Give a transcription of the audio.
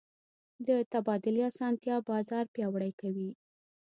د تبادلې اسانتیا بازار پیاوړی کوي.